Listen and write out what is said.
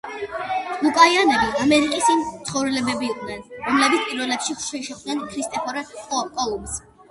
ლუკაიანები ამერიკის ის მაცხოვრებლები იყვნენ, რომლებიც პირველები შეხვდნენ ქრისტეფორე კოლუმბს.